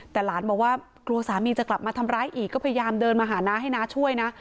แต่หลานบอกว่ากลัวสามีจะกลับมาทำร้ายอีกก็พยายามเดินมาหาน้าให้น้าช่วยนะ